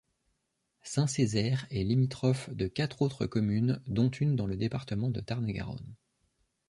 Saint-Cézert est limitrophe de quatre autres communes dont une dans le département de Tarn-et-Garonne.